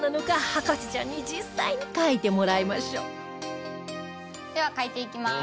博士ちゃんに実際に書いてもらいましょうでは書いていきます。